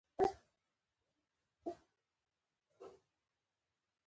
د مهترلام ښار د لغمان مرکز دی